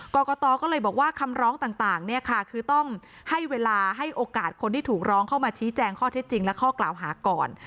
กรกตก็เลยบอกว่าคำร้องต่างเนี่ยค่ะคือต้องให้เวลาให้โอกาสคนที่ถูกร้องเข้ามาชี้แจงข้อเท็จจริงและข้อกล่าวหาก่อน